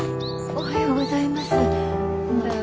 おはようございます。